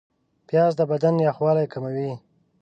پیاز د بدن یخوالی کموي